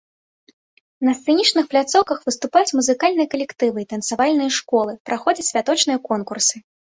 На сцэнічных пляцоўках выступаюць музычныя калектывы і танцавальныя школы, праходзяць святочныя конкурсы.